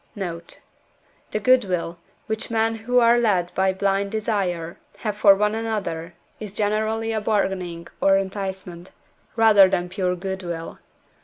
Note. The goodwill, which men who are led by blind desire have for one another, is generally a bargaining or enticement, rather than pure goodwill.